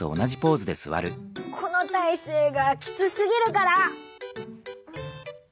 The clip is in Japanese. このたいせいがきつすぎるから！